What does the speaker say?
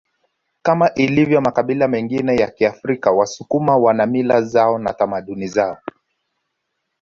Kama ilivyo makabila mengine ya Kiafrika wasukuma wana mila zao na tamaduni zao